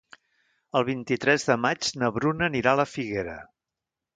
El vint-i-tres de maig na Bruna anirà a la Figuera.